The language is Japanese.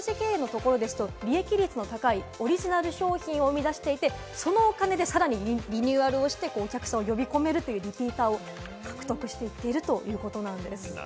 一方、黒字経営のところですと利益率の高いオリジナル商品を生み出していて、そのお金でさらにリニューアルをして、お客さんを呼び込めるというリピーターを獲得していってるということなんです。